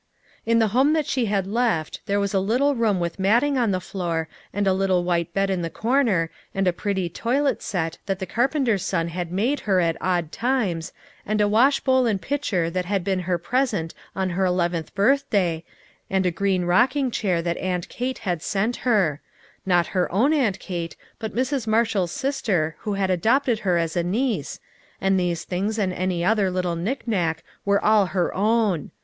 In the home that she had left, there was a lit tle room with matting on the floor, and a little white bed in the corner, and a pretty toilet set that the carpenter's son had made her at odd times, and a wash bowl and pitcher that had been her present on her eleventh birthday, and a green rocking chair that aunt Kate had sent her : not her own aunt Kate, but Mrs. Marshall's sister who had adopted her as a niece, and these things and many another little knickknack were all her own.